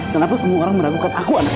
kenapa semua orang meragukan aku anak ibu